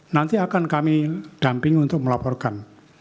nanti akan kami damping untuk melaporkan